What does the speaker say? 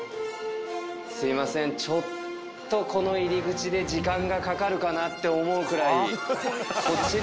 すいませんちょっとこの入り口で時間がかかるかなって思うくらい。